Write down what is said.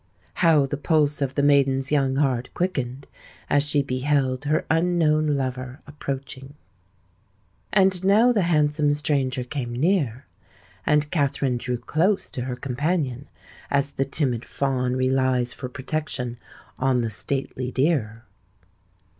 How the pulse of the maiden's young heart quickened, as she beheld her unknown lover approaching. And now the handsome stranger came near:—and Katherine drew close to her companion, as the timid fawn relies for protection on the stately deer.